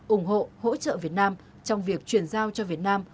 ủng hộ hỗ trợ việt nam trong việc chuyển giao cho việt nam